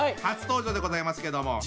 初登場でございますけども。